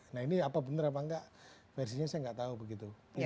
nah ini apa benar apa enggak versinya saya nggak tahu begitu